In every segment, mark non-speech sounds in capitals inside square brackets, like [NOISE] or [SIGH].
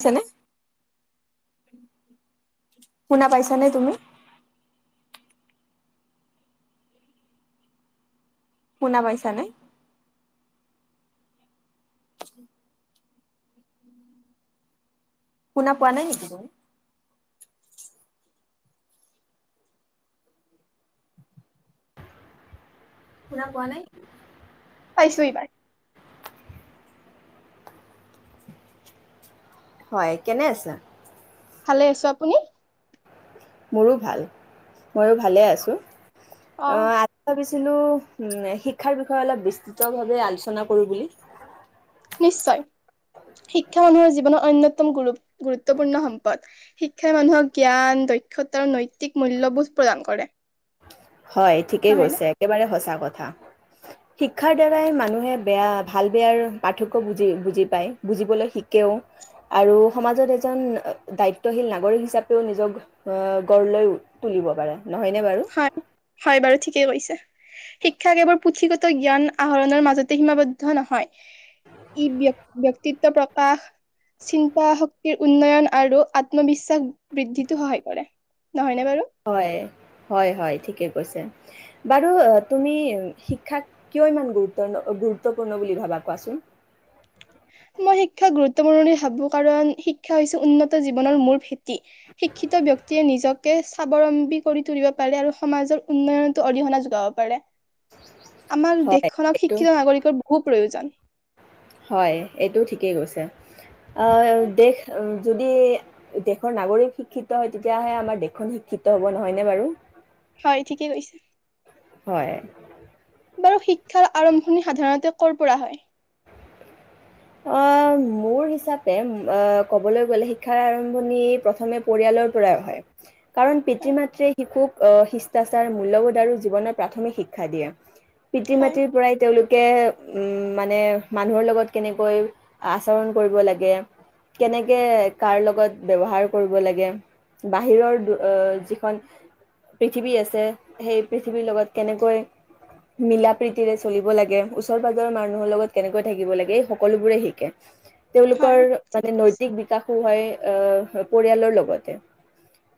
[UNINTELLIGIBLE] শুনা পাইছানে তুমি? শুনা পাইছা নে? [INAUDIBLE] শুনা পোৱা নাই নেকি তুমি? শুনা পোৱা নাই? পাইছো এইবাৰ হয়, কেনে আছা? ভালে আছো, আপুনি? মোৰো ভাল, ময়ো ভালে আছোঁ। অ, অ আ [UNINTELLIGIBLE] শিক্ষাৰ বিষয়ে অলপ বিস্তৃত ভাৱে আলোচনা কৰো বুলি নিশ্চয় শিক্ষা মানুহৰ জীৱনৰ অন্যতম গুৰু-গুৰুত্বপূৰ্ণ সম্পদ শিক্ষাই মানুহক জ্ঞান, দক্ষতা আৰু নৈতিক মূল্যবোধ প্ৰদান কৰে। হয়, ঠিকে নহয়নে কৈছে একেবাৰে সঁচা শিক্ষাৰ দ্বাৰাই মানুহে বেয়া ভাল-বেয়াৰ পাৰ্থক্য বুজি-বুজি পায়, বুজিবলৈ শিকেও আৰু সমাজত এজন দায়িত্বশীল নাগৰিক হিচাপেও নিজক আহ গঢ় লৈ তুলিব পাৰে। নহয়নে বাৰু? হয় হয় বাৰু ঠিকেই কৈছে। শিক্ষা কেৱল পুথিগত জ্ঞান আহৰণৰ মাজতে সীমাবদ্ধ নহয়, ই ব্য-ব্যক্তিত্ব প্ৰকাশ, চিন্তা শক্তিৰ উন্নয়ন আৰু আত্মবিশ্বাস বৃদ্ধিটো সহায় কৰে। নহয়নে বাৰু? হয়-হয় ঠিকে কৈছে, বাৰু তুমি শিক্ষাক কিয় ইমান গুৰুত-গুৰুত্বপূৰ্ণ বুলি ভাবা কোৱাচোন? মই [UNINTELLIGIBLE] বুলি ভাবো কাৰণ শিক্ষা হৈছে উন্নত জীৱনৰ মূল ভেটি, শিক্ষিত ব্যক্তিয়ে নিজকে স্বাৱলম্বী কৰি তুলিব পাৰে আৰু সমাজৰ উন্নয়নতো অৰিহণা যোগাব পাৰে। আমাৰ হয় দেশখনক এইটো শিক্ষিত নাগৰিকৰ বহু প্ৰয়োজন। হয়, এইটোও ঠিকেই কৈছে। অ দেখ যদি দেশৰ নাগৰিক শিক্ষিত হয় তেতিয়াহে আমাৰ দেশখন শিক্ষিত হ'ব নহয়নে বাৰু? হয় ঠিকেই কৈছে। হয়। বাৰু শিক্ষাৰ আৰম্ভণি সাধাৰণতে কৰ পৰা হয়? আহ মোৰ হিচাপে আহ কবলৈ গ'লে শিক্ষাৰ আৰম্ভণি প্ৰথমে পৰিয়ালৰ পৰাই হয়, কাৰণ পিতৃ হয় মাতৃয়ে শিশুক আহ শিষ্টাচাৰ, মূল্যবোধ আৰু জীৱনৰ প্ৰাথমিক শিক্ষা দিয়ে। হয় পিতৃ-মাতৃৰ পৰাই তেওঁলোক কে উম, মানে মানুহৰ লগত কেনেকৈ আচৰণ কৰিব লাগে, কেনেকে কাৰ লগত ব্যৱহাৰ কৰিব লাগে, বাহিৰৰ অহ যিখন পৃথিৱী আছে সেই পৃথিৱীৰ লগত কেনেকৈ মিলা প্ৰীতিৰে চলিব লাগে, ওচৰে পাজৰৰ মানুহৰ লগত কেনেকৈ থাকিব লাগে সকলোবোৰে শিকে হয় তেওঁলোকৰ ঠিকে মানে কৈছে নৈতিক বিকাশ হয় পৰিয়ালৰ লগতে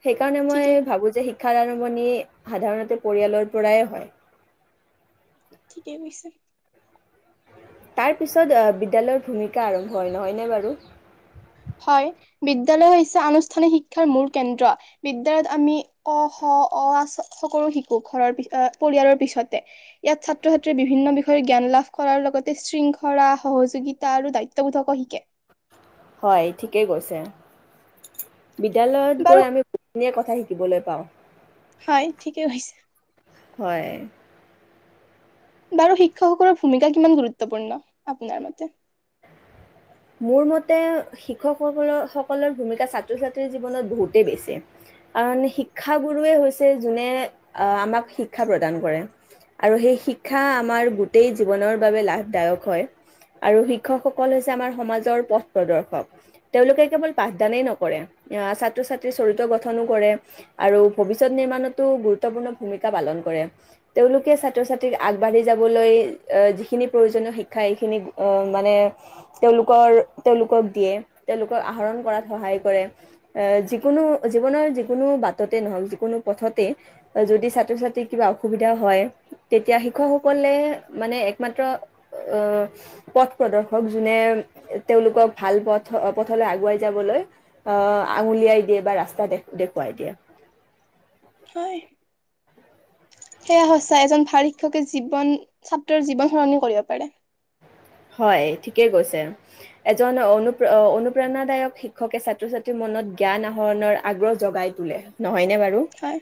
সেইকাৰণে মই ঠিকে ভাবোঁ যে শিক্ষাৰ আৰম্ভণি সাধাৰণতে পৰিয়ালৰ পৰাই হয় ঠিকেই কৈছে। তাৰ পিছত বিদ্যালয়ৰ ভূমিকা আৰম্ভ হয়, নহয়নে বাৰু? হয়, বিদ্যালয় হৈছে আনুষ্ঠানিক শিক্ষাৰ মূল কেন্দ্ৰ। বিদ্যালয়ত আমি অ, শ, অ, আ সকলো শিকো ঘৰৰ পৰিয়ালৰ পিছতে। ইয়াত ছাত্ৰ ছাত্ৰীয়ে বিভিন্ন বিষয়ে জ্ঞান লাভ কৰাৰ লগতে শৃংখলা, সহযোগিতা আৰু দায়িত্ববোধকো শিকে। হয়, ঠিকেই কৈছে। বিদ্যালয়ত বাৰু গৈ আমি [UNINTELLIGIBLE] কথা শিকোঁ। শিকিবলৈ পাওঁ। হয়, ঠিকেই কৈছে। হয়। বাৰু শিক্ষকসকলৰ ভূমিকা কিমান গুৰুত্বপূৰ্ণ? আপোনাৰ মতে? মোৰ মতে, শিক্ষকসকল সকলৰ ভূমিকা ছাত্ৰ ছাত্ৰীৰ জীৱনত বহুতেই বেছি। কাৰণ শিক্ষাগুৰুৱে হৈছে, যোনে অ', আমাক শিক্ষা প্ৰদান কৰে, আৰু সেই শিক্ষা আমাৰ গোটেই জীৱনৰ বাবে লাভদায়ক হয়। আৰু শিক্ষকসকল হৈছে আমাৰ সমাজৰ পথ প্ৰদৰ্শক তেওঁলোকে কেৱল পাঠদানেই নকৰে, অ', ছাত্ৰ ছাত্ৰীৰ চৰিত্ৰ গঠনো কৰে আৰু ভৱিষ্যত নিৰ্মানতো গুৰুত্বপূৰ্ণ ভূমিকা পালন কৰে, তেওঁলোকে ছাত্ৰ ছাত্ৰীক আগবাঢ়ি যাবলৈ আহ যিখিনি প্ৰয়োজনীয় শিক্ষা এইখিনি অ' মানে তেওঁলোকৰ, তেওঁলোকক দিয়ে, তেওঁলোকক আহৰণ কৰাত সহায় কৰে। যিকোনো, জীৱনৰ যিকোনো বাটতে নহওঁক, যিকোনো পথতে যদি ছাত্ৰ ছাত্ৰীৰ কিবা অসুবিধা হয়, তেতিয়া শিক্ষকসকলে মানে একমাত্ৰ অঁ, পথ প্ৰদৰ্শক। যোনে তেওঁলোকক ভাল পথ পথলৈ আগুৱাই যাবলৈ, অ' আঙুলিয়াই দিয়ে বা ৰাস্তা দেখুৱাই দিয়ে। হয়। সেয়া সঁচা। এজন ভাল শিক্ষকে জীৱন, ‌ ছাত্ৰৰ জীৱন সলনি কৰিব পাৰে। হয় ঠিকেই কৈছে। এজন অনু, অনুপ্ৰেৰণাদায়ক শিক্ষকে ছাত্ৰ ছাত্ৰীৰ মনত জ্ঞান আহৰণৰ আগ্ৰহ জগাই তোলে। নহয় নে বাৰু? হয়।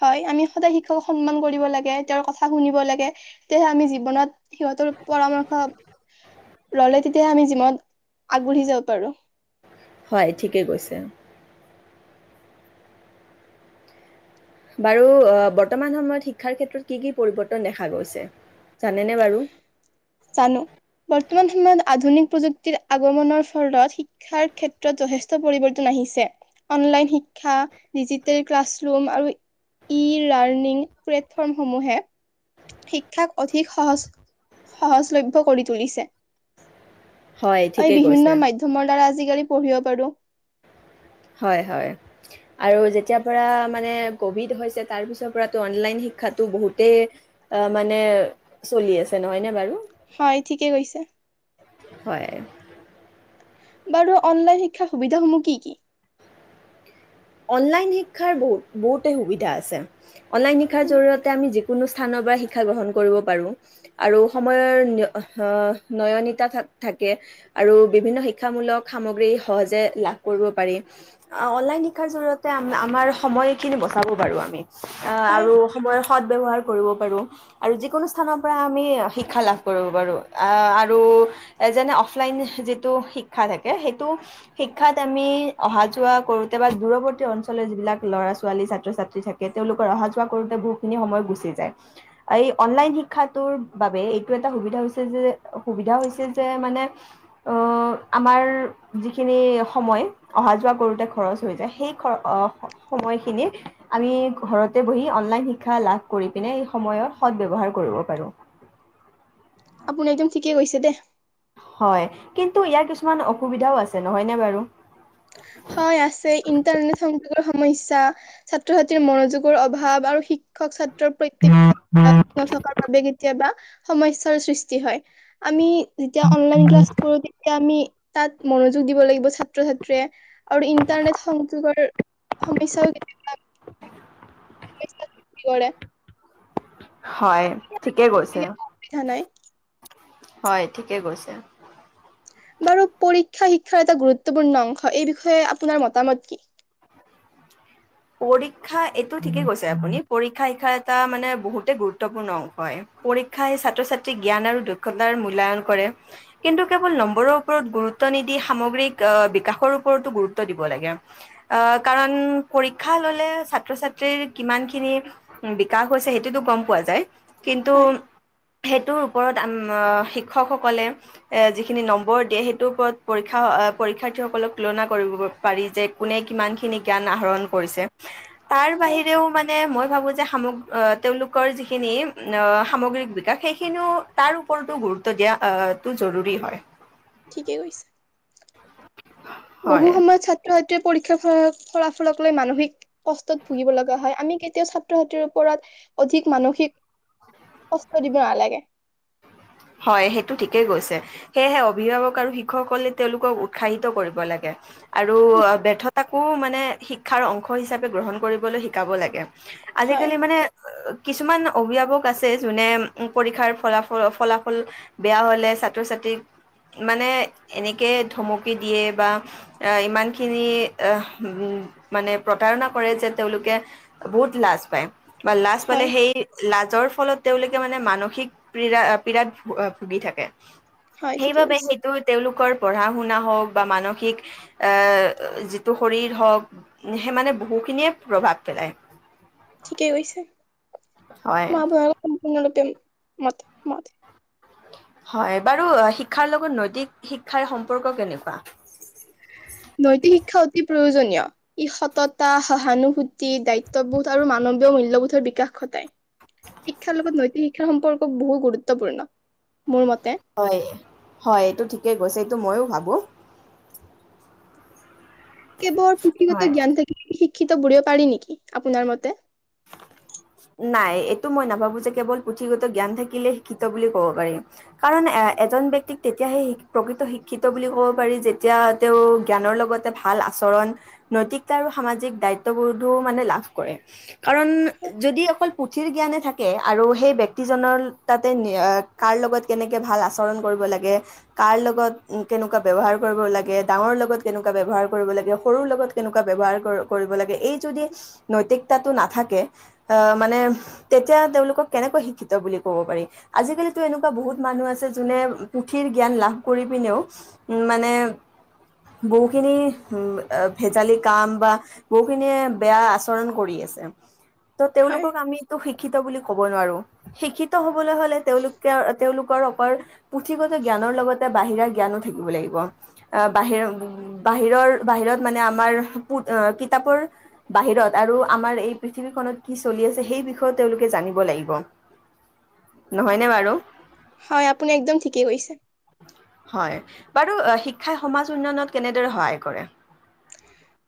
হয়। আমি সদায় শিক্ষকক সন্মান কৰি দিব লাগে, তেওঁৰ কথা শুনিব লাগে, ‌ তেতিয়া হে আমি জীৱনত সিহঁতৰ পৰামৰ্শ ল'লে তেতিয়াহে আমি জীৱনত, আগবাঢ়ি যাব পাৰোঁ। হয় ঠিকেই কৈছে । বাৰু, বৰ্তমান সময়ত শিক্ষাৰ ক্ষেত্ৰত কি কি পৰিৱৰ্তন দেখা গৈছে? জানেনে বাৰু? জানো। বৰ্তমান সময়ত আধুনিক প্ৰযুক্তিৰ আগমনৰ ফলত শিক্ষাৰ ক্ষেত্ৰত যথেষ্ট পৰিৱৰ্তন আহিছে। অনলাইন শিক্ষা, ডিজিটেল ক্লাছৰুম, আৰু ই-লাৰ্ণিং প্লেটফৰ্মসমূহে শিক্ষাক অধিক সহজ সহজলভ্য কৰি তুলিছে। হয় এই ঠিকেই বিভিন্ন কৈছে মাধ্যমৰ দ্বাৰা আজি কালি পঢ়িব পাৰোঁ। হয়। হয়। আৰু যেতিয়াৰ পৰা মানে কভিড হৈছে, তাৰপিছৰ পৰা অনলাইন শিক্ষাতো বহুতেই মানে, চলি আছে নহয় নে বাৰু? হয় ঠিকেই কৈছে। হয়। বাৰু অনলাইন শিক্ষাৰ সুবিধাসমূহ কি? কি? অনলাইন শিক্ষাৰ বহুত, বহুতে সুবিধা আছে। অনলাইন শিক্ষাৰ জৰিয়তে আমি যি কোনো স্থানৰ পৰা শিক্ষা গ্ৰহণ কৰিব পাৰোঁ, আৰু সময়ৰ নয়নিতা থাকে, আৰু বিভিন্ন শিক্ষামূলক সামগ্ৰী সহজে লাভ কৰিব পাৰি, অনলাইন শিক্ষাৰ জৰিয়তে আমা, আমাৰ সময়খিনি বচাব পাৰোঁ আমি। অ হয় আৰু সময় সদ ব্যৱহাৰ কৰিব পাৰোঁ, আৰু যিকোনো স্থানৰ পৰা আমি শিক্ষা লাভ কৰিব পাৰোঁ আৰু যেনে অফলাইন যিটো শিক্ষা থাকে, সেইটো শিক্ষাত আমি অহা যোৱা কৰোঁ কেতিয়াবা দূৰৱৰ্তী অঞ্চলৰ যিবিলাক ল'ৰা ছোৱালী ছাত্ৰ ছাত্ৰী থাকে, তেওঁলোকৰ অহা যোৱা কৰোতে বহুখিনি সময় গুচি যায়, এই অনলাইন শিক্ষাটোৰ বাবে এইটো এটা সুবিধা হৈছে, যে, সুবিধা হৈছে যে, মানে অ আমাৰ যিখিনি সময় অহা যোৱা কৰোতে খৰচ সময়খিনি আমি ঘৰতে বহি অনলাইন শিক্ষা লাভ কৰি পিনে, এই সময়ৰ সদ ব্যৱহাৰ কৰিব পাৰোঁ। আপুনি একদম ঠিকেই কৈছে দে। হয়, কিন্তু ইয়াৰ কিছুমান অসুবিধাও আছে, নহয়নে বাৰু? হয় আছে ইণ্টাৰনেট সংযোগ সমস্যা, ‌ ছাত্ৰ ছাত্ৰীৰ মনোযোগৰ অভাৱ, আৰু শিক্ষক ছাএ প্ৰত্যক্ষ [INAUDIBLE] নথকাৰ বাবে কেতিয়াবা সমস্যাৰ সৃষ্টি হয়। আমি যেতিয়া অনলাইন ক্লাছ কৰোঁ, তেতিয়া আমি তাত মনোযোগ দিব লাগিব, ছাত্ৰ ছাত্ৰীয়ে। আৰু ইন্টাৰনেট সংযোগৰ সমস্যাও কেতিয়াবা [UNINTELLIGIBLE] হয় ঠিকে গতিকে কৈছে একো অসুবিধা নাই হয় ঠিকে লৈছে। বাৰু পৰীক্ষা শিক্ষাৰ এটা গুৰুত্বপূৰ্ণ অংশ এই বিষয়ে আপোনাৰ মতামত কি পৰীক্ষা এইটো ঠিকে কৈছে আপুনি পৰীক্ষা শিক্ষাৰ এটা মানে বহুতে গুৰুত্বপূৰ্ণ অংশ হয় পৰীক্ষাই ছাত্ৰ ছাত্ৰী জ্ঞান আৰু দক্ষতাৰ মূল্যয়ায়ন কৰে কিন্তু কেৱল নম্বৰৰ ওপৰত গুৰুত্ব নিদি সামগ্ৰিক বিকাশৰ ওপৰতো গুৰুত্ব দিব লাগে আহ কাৰণ পৰীক্ষা ললে ছাত্ৰ ছাত্ৰীৰ কিমান খিনি বিকাশ হৈছে সেইটোতো গম পোৱা যায়। কিন্তু হয় সেইটোৰ ওপৰত শিক্ষকসকলে যিখিনি নম্বৰ দিয়ে সেইটোৰ ওপৰত পৰীক্ষা পৰীক্ষাৰ্থীসকলক তুলনা কৰিব পাৰি যে কোনে কিমানখিনি জ্ঞান আহৰণ কৰিছে তাৰ হয় বাহিৰেও মানে মই ভাবো যে তেওঁলোকৰ যিখিনি সামগ্ৰিক বিকাশ সেইখিনিও তাৰ ওপৰতো গুৰুত্ব দিয়াটো জৰুৰী হয় ঠিকেই কৈছা বহু হয় সময় ছাত্ৰ ছাত্ৰী পৰীক্ষাৰ ফলাফলক লৈ মানসিক কষ্টত ভুগিব লগা হয় আমি কেতিয়াও ছাত্ৰ ছাত্ৰীৰ ওপৰত অধিক মানসিক কষ্ট দিব নালাগে হয় সেইটো ঠিকেই গৈছে সেয়েহে অভিভাৱক আৰু শিক্ষকলে তেওঁলোকক উৎসাহিত কৰিব লাগে আৰু ব্যৰ্থতাকো মানে শিক্ষাৰ অংশ হিচাপে গ্ৰহণ কৰিবলৈ শিকাব লাগে। হয় আজিকালি মানে কিছুমান অভিভাৱক আছে যোনে পৰীক্ষাৰ ফলাফ ফলাফ কল বেয়া হলে ছাত্ৰ ছাত্ৰীক মানে এনেকে ধমকি দিয়ে বা এ ইমানখিনি মানে প্ৰতাৰণা কৰে যে তেওঁলোকে বহুত লাজ পায় বা লাজ মানে হয় সেই লাজৰ ফলত তেওঁলোকে মানে মানসিক প্ৰীড়া বিৰাট ভ ভুগি থাকে। হয় ঠিকে সেইবাবে কৈছে সেইটো তেওঁলোকৰ পঢ়া শুনা হওঁক বা মানসিক যিটো শৰীৰ হওঁক সেই মানে বহুখিনিয়ে প্ৰভাৱ পেলায়। ঠিকেই কৈছে। হয় ম ব [UNINTELLIGIBLE] ম ম [UNINTELLIGIBLE] হয় বাৰু শিক্ষাৰ লগত নৈতিক শিক্ষাৰ সম্পৰ্ক কেনেকুৱা? নৈতিক শিক্ষা অতি প্ৰয়োজনীয়। ই সততা, সহানুভূতি, দায়িত্ববোধ আৰু মানৱীয় মূল্যবোধৰ বিকাশ ঘটায়। শিক্ষাৰ লগত নৈতিক শিক্ষাৰ সম্পৰ্ক বহু গুৰুত্বপূৰ্ণ। মোৰ মতে হয়, হয়, এইটো ঠিকে কৈছে এইটো ময়ো ভাবো। বোৰ কেৱৰুথিগত জ্ঞান থাকিলে শিক্ষিত ব পাৰি নেকি আপোনাৰ মতে? নাই এইটো মই নাভাবো যে কেৱল পুথিগত জ্ঞান থাকিলে শিক্ষিত বুলি কব পাৰি, কাৰণ এ-এজন ব্যক্তিক তেতিয়াাহে শ প্ৰকৃত শিক্ষিত বুলি কব পাৰি যেতিয়া তেওঁ জ্ঞানৰ লগতে ভাল আচৰণ, নৈতিক আৰু সামাজিক দায়িত্ববোধো মানে লাভ কৰে। কাৰণ যদি অকল পুথিৰ জ্ঞানে থাকে আৰু সেই ব্যক্তিজনৰ তাতে কাৰ লগত কেনেকে ভাল আচৰণ কৰিব লাগে, কাৰ লগত কেনেকুৱা ব্যৱহাৰ কৰিব লাগে, ডাঙৰ লগত কেনেকুৱা ব্যৱহাৰ কৰিব লাগে, সৰুৰ লগত কেনেকুৱা ব্যৱহাৰ কৰিব লাগে এই যদি নৈতিক তাত নাথাকে আহ মানে তেতিয়া তেওঁলোকক কেনেকৈ শিক্ষিত বুলি ক'ব পাৰি? আজিকালিতো এনেকুৱা বহুত মানুহ আছে যোনে পুথিৰ জ্ঞান লাভ কৰি পিনেও উ মানে বহুখিনি উ ভেজালি কাম বা বহুখিনিয়ে বেয়া আচৰণ কৰি আছে। এ ত হয় তেওঁলোকক আমি এইটো শিক্ষিত বুলি ক'ব নোৱাৰোঁ। শিক্ষিত হবলৈ হলে তেওঁলোকে-তেওঁলোকৰ অকল পুথিগত জ্ঞানৰ লগতে বাহিৰা জ্ঞানো থাকিব লাগিব। আহ বাহিৰ-বাহিৰৰ বাহিৰত মানে আমাৰ কিতাপৰ বাহিৰত আৰু আমাৰ পৃথিৱীখনত কি চলি আছে সেই বিষয়েও তেওঁলোকে জানিব লাগিব। নহয়নে বাৰু? হয় আপুনি একদম ঠিকেই কৈছে। হয় বাৰু শিক্ষাই সমাজ উন্নয়নত কেনেদৰে সহায় কৰে?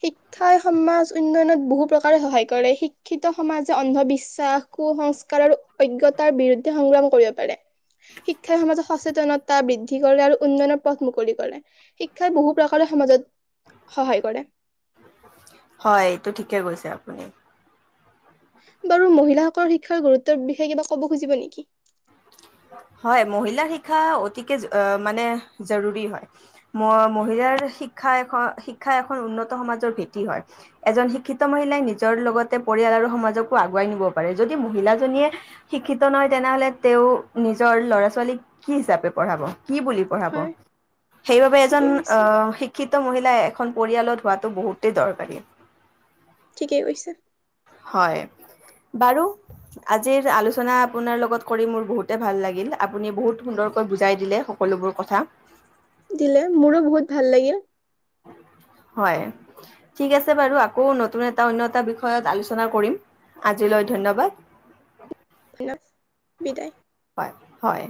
শিক্ষাই সমাজ উন্নয়নত বহু প্ৰকাৰে সহায় কৰে শিক্ষিত সমাজে অন্ধবিশ্বাস, কুসস্কাৰ আৰু অজ্ঞতাৰ বিৰুদ্ধে সংগ্ৰাম কৰিব পাৰে। শিক্ষাই সমাজত সচেতনতা বৃদ্ধি কৰে আৰু উন্নয়নৰ পথ মুকলি কৰে শিক্ষাই বহু প্ৰকাৰে সমাজত সহায় কৰে। হয় এইটো ঠিকে গৈছে আপুনি। বাৰু মহিলাসকলৰ শিক্ষাৰ গুৰুত্বৰ বিষয়ে কিবা ক'ব খুজিব নেকি? হয় মহিলাৰ শিক্ষা অতিকে অঁ মানে জৰুৰী হয় মহিলাৰ শিক্ষা এ শিক্ষা এখন উন্নত সমাজৰ ভেটি হয় এজন শিক্ষিত মহিলাই নিজৰ লগতে পৰিয়াল আৰু সমাজকো আগুৱাই নিব পাৰে যদি মহিলাজনীয়ে শিক্ষিত নহয় তেনেহলে তেওঁ নিজৰ ল'ৰা ছোৱালীক কি হিচাপে পঢ়াব? কি বুলি পঢ়াব? হয় সেইবাবে এজন ঠিকেই কৈছে অঁ শিক্ষিত মহিলা এখন পৰিয়ালত হোৱাতটো বহুতেই দৰকাৰী। ঠিকেই কৈছে। হয় বাৰু আজিৰ আলোচনা আপোনাৰ লগত কৰি মোৰ বহুত ভাল লাগিল আপুনি বহুত সুন্দৰকৈ বুজাই দিলে সকলোবোৰ কথা। দিলে মোৰো বহুত ভাল লাগিল। হয় ঠিক আছে বাৰু আকৌ নতুন এটা অন্য এটা বিষয়ত আলোচনা কৰিম, আজিলৈ ধন্যবাদ। ভন বিদায়। হয়, হয়